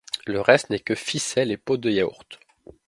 Le reste n’est que ficelle et pot de yaourt.